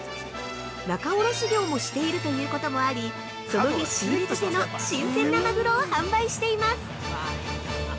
仲卸業もしているということもあり、その日、仕入れたての新鮮なマグロを販売しています！